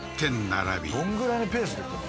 どんぐらいのペースで来るの？